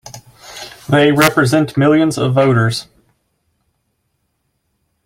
They represent millions of voters!